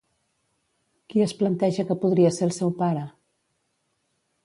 Qui es planteja que podria ser el seu pare?